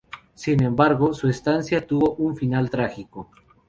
Sin embargo, su estancia tuvo un final trágico.